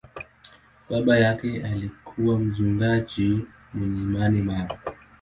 Baba yake alikuwa mchungaji mwenye imani imara.